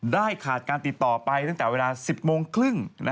ขาดการติดต่อไปตั้งแต่เวลา๑๐โมงครึ่ง